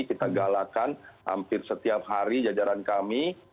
kita galakan hampir setiap hari jajaran kami